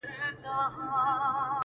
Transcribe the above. د کهول یو غړی تنها مات کړي.